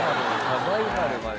サバイバルまで。